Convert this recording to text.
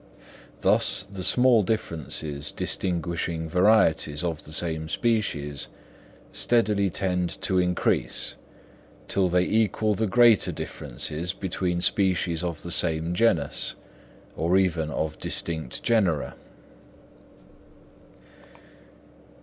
Thus the small differences distinguishing varieties of the same species, steadily tend to increase, till they equal the greater differences between species of the same genus, or even of distinct genera.